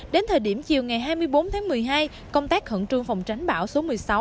đến thời điểm chiều ngày hai mươi bốn tháng một mươi hai công tác khẩn trương phòng tránh bão số một mươi sáu